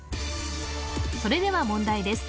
それでは問題です